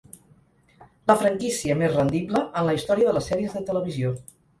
La franquícia més rendible en la història de les sèries de televisió.